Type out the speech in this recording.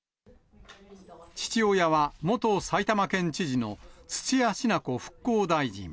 父親は、元埼玉県知事の土屋品子復興大臣。